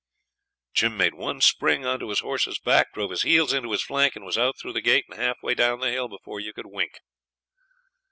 Jim made one spring on to his horse's back, drove his heels into his flank, and was out through the gate and half way down the hill before you could wink.